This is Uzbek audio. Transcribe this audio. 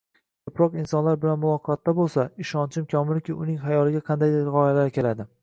koʻproq insonlar bilan muloqotda boʻlsa, ishonchim komilki, uning xayoliga qandaydir gʻoyalar keladi.